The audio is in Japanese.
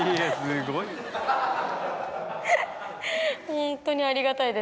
ホントにありがたいです。